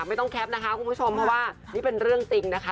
ไม่ต้องแคปนะคะคุณผู้ชมเพราะว่านี่เป็นเรื่องจริงนะคะ